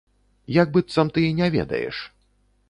Як быццам ты не ведаеш?